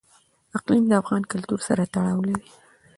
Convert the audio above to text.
اقلیم د افغان کلتور سره تړاو لري.